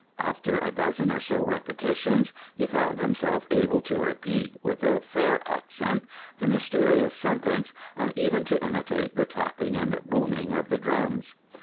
After a dozen or so of repetitions, he found himself able to repeat, with a fair accent, the mysterious sentence, and even to imitate the tapping and booming of the drums.